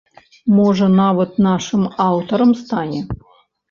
Можа, нават нашым аўтарам стане.